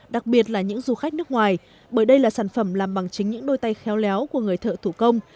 đặc biệt là những du khách nước ngoài bởi đây là sản phẩm làm bằng chính những đôi tay khéo léo của người thợ thủ công